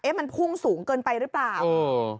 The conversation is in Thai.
มันพุ่งสูงเกินไปหรือเปล่าเออ